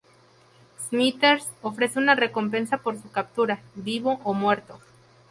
Smithers ofrece una recompensa por su captura, vivo o muerto.